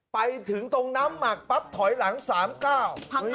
ไปถึงตรงน้ำหมักปั๊บถอยหลังสามเก้าพัง